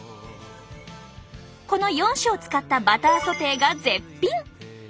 この４種を使ったバターソテーが絶品！